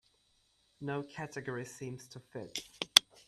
No category seems to fit.